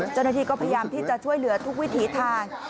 เจ้าหน้าที่ก็พยายามที่จะช่วยเหลือทุกวิถีทาง